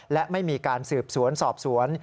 และไม่มีการสืบสวนสอบสวน